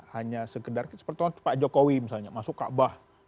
hanya sekedar seperti pak jokowi misalnya masuk kaabah